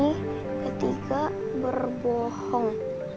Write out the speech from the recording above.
yang ketiga berbohong